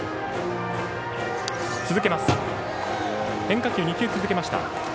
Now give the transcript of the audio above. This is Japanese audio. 変化球２球続けました。